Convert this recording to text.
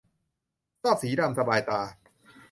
ชอบสีดำ สบายตา